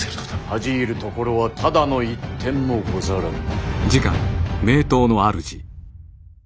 恥じ入るところはただの一点もござらぬ。